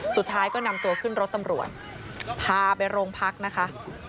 สุดท้ายก็นำตัวขึ้นรถตำรวจพาไปโรงพักนะคะ